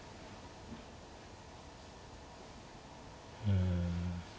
うん。